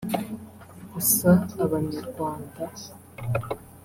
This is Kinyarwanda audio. gusa abanyarwanda